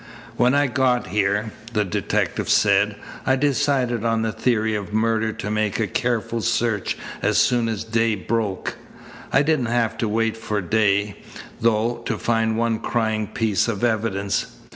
"When I got here," the detective said, "I decided on the theory of murder to make a careful search as soon as day broke. I didn't have to wait for day, though, to find one crying piece of evidence.